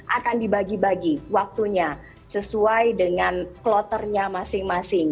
akan dibagi bagi waktunya sesuai dengan kloternya masing masing